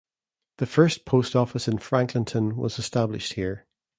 The first post office in Franklinton was established here.